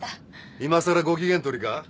いまさらご機嫌取りか？